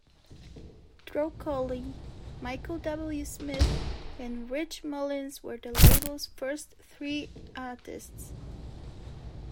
Troccoli, Michael W. Smith, and Rich Mullins were the label's first three artists.